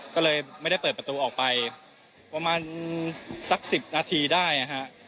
ก็เลยไม่ได้เปิดประตูออกไปประมาณสัก๑๐นาทีได้นะฮะ